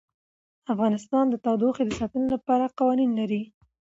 افغانستان د تودوخه د ساتنې لپاره قوانین لري.